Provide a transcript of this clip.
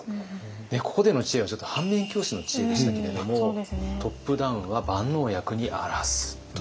ここでの知恵はちょっと反面教師の知恵でしたけれども「トップダウンは万能薬に非ず」という知恵です。